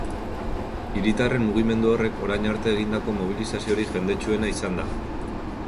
Hiritarren mugimendu horrek orain arte egindako mobilizaziorik jendetsuena izan da.